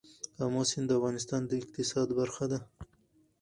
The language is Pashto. آمو سیند د افغانستان د اقتصاد برخه ده.